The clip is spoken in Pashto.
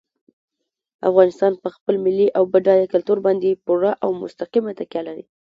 افغانستان په خپل ملي او بډایه کلتور باندې پوره او مستقیمه تکیه لري.